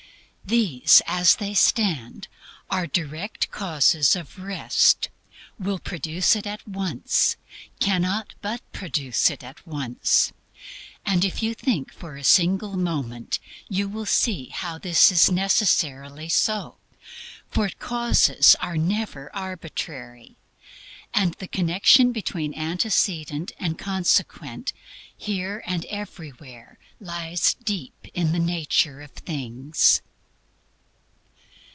These as they stand are direct causes of Rest; will produce it at once; cannot but produce it at once. And if you think for a single moment, you will see how this is necessarily so, for causes are never arbitrary, and the connection between antecedent and consequent here and everywhere lies deep in the nature of things.